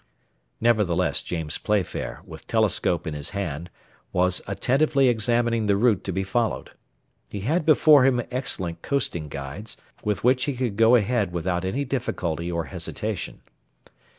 Nevertheless, James Playfair, with telescope in his hand, was attentively examining the route to be followed. He had before him excellent coasting guides, with which he could go ahead without any difficulty or hesitation.